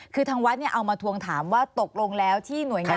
คือทางวัดเอามาทวงถามว่าตกลงแล้วที่หน่วยงาน